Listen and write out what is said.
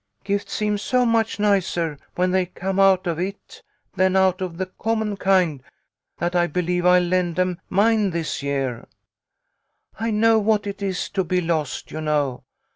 Gifts seem so much nicer when they come out of it than out of the common kind that I believe I'll lend them mine this year. I know what it is to be lost, you know.